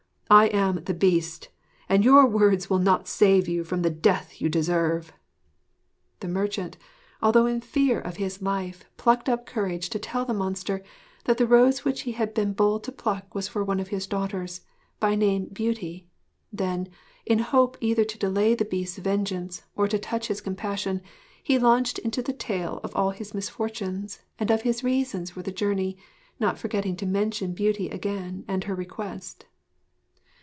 I am the Beast; and your words will not save you from the death you deserve.' The merchant, although in fear of his life, plucked up courage to tell the monster that the rose which he had been bold to pluck was for one of his daughters, by name Beauty. Then, in hope either to delay the Beast's vengeance or to touch his compassion, he launched into the tale of all his misfortunes, and of his reasons for the journey, not forgetting to mention Beauty again and her request.